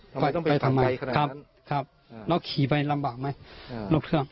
ทำไมไปทางไหนครับแล้วขี่ไปลำบัดไหมลงเครื่อง